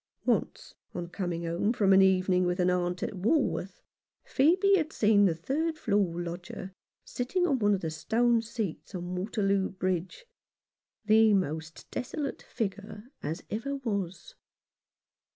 Once, on coming home from an evening with an aunt at Walworth, Phcebe had seen the third floor lodger sitting on one of the stone seats on 109 Rough Justice. Waterloo Bridge, "the most desolatest figure as ever was."